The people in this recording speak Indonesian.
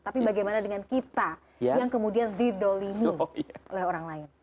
tapi bagaimana dengan kita yang kemudian didolimi oleh orang lain